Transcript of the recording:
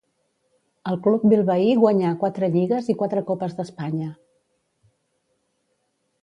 Al club bilbaí guanyà quatre lligues i quatre copes d'Espanya.